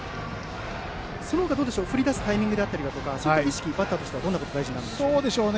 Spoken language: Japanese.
その他、振り出すタイミングだったりとかそういった意識、バッターとしてどんなことが大事になりますか？